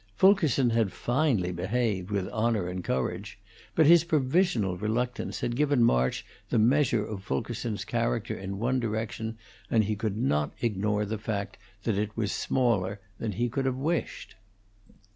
Fulkerson had finally behaved with honor and courage; but his provisional reluctance had given March the measure of Fulkerson's character in one direction, and he could not ignore the fact that it was smaller than he could have wished.